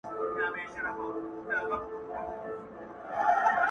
په هغه دم به مي تا ته وي راوړی٫